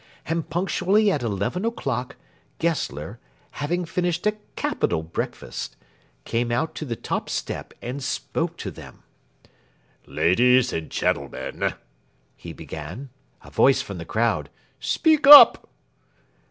And punctually at eleven o'clock, Gessler, having finished a capital breakfast, came out on to the top step and spoke to them. "Ladies and gentlemen," he began. (A voice from the crowd: "Speak up!")